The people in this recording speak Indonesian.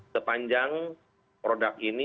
sepanjang produk ini